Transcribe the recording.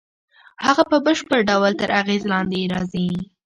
هغه په بشپړ ډول تر اغېز لاندې یې راځي